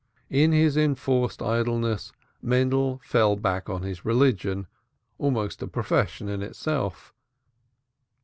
In his enforced idleness Mendel fell back on his religion, almost a profession in itself.